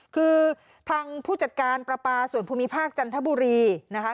คือทางผู้จัดการประปาส่วนภูมิภาคจันทบุรีนะคะ